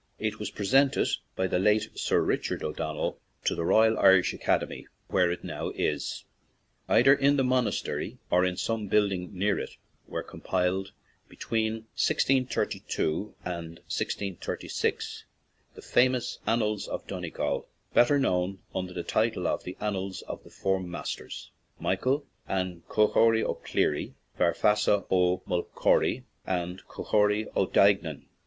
It was presented by the late Sir Richard O'Donnell to the Royal Irish Academy, where it now is. Either in the monastery or in some building near it were compiled, between 1632 and 1636, the famous Annals of Donegal, better known under the title of the Annals of the Four Masters— Michael and Cucogry O'Clery, Fearfeasa O'Mul conry, and Cucogry O'Duigenan.